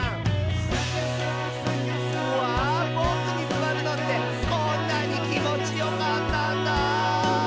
「うわボクにすわるのってこんなにきもちよかったんだ」